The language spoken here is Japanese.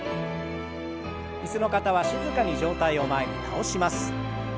椅子の方は静かに上体を前に倒します。